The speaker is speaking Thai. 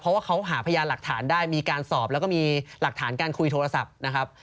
เพราะว่าเขาหาพยานหลักฐานได้มีการสอบแล้วก็มีหลักฐานการคุยโทรศัพท์นะครับ